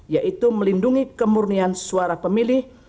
yaitu melindungi kemurnian suara pemilih